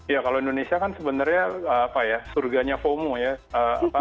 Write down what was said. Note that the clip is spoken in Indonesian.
ya kalau indonesia kan sebenarnya apa ya surganya fomo ya